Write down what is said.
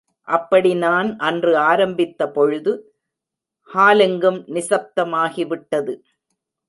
அப்படி நான் அன்று ஆரம்பித்த பொழுது, ஹாலெங்கும் நிசப்தமாகி விட்டது.